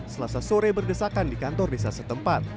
selasa sore berdesakan di kantor desa setempat